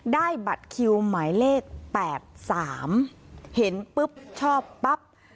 ได้บัตรคิวหมายเลข๘๓เห็นปุ๊บชอบปั๊บ